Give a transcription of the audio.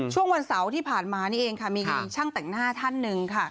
ช่วงวันเสาร์ที่ผ่านมานี่เองค่ะมีช่างแต่งหน้าท่านหนึ่งค่ะ